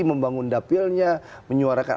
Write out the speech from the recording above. membangun dapilnya menyuarakan